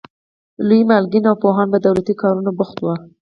لوی مالکین او پوهان په دولتي کارونو بوخت وو.